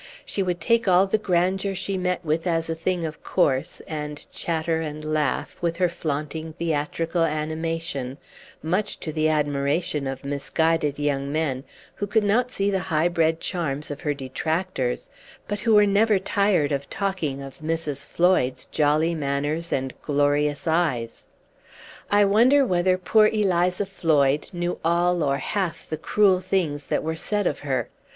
She would take all the grandeur she met with as a thing of course, and chatter and laugh, with her flaunting theatrical animation, much to the admiration of misguided young men, who could not see the high bred charms of her detractors, but who were never tired of talking of Mrs. Floyd's jolly manners and glorious eyes. I wonder whether poor Eliza Floyd knew all or half the cruel things that were said of her.